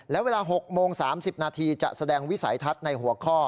และเวลา๖โมง๓๐นาทีจะแสดงวิสัยทัศน์ในหัวข้อ